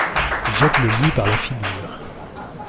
jette-le-lui par la figure.